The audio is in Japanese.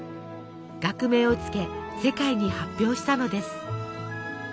学名を付け世界に発表したのです。